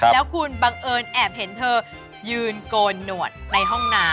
แล้วคุณบังเอิญแอบเห็นเธอยืนโกนหนวดในห้องน้ำ